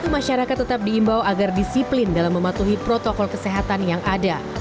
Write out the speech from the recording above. masyarakat tetap diimbau agar disiplin dalam mematuhi protokol kesehatan yang ada